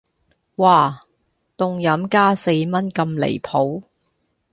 嘩,凍飲加四蚊咁離譜